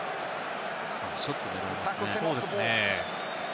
ショットを選びますね。